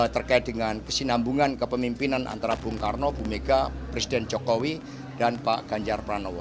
terkait dengan kesinambungan kepemimpinan antara bung karno bu mega presiden jokowi dan pak ganjar pranowo